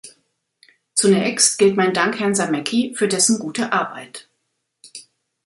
Zunächst gilt mein Dank Herrn Samecki für dessen gute Arbeit.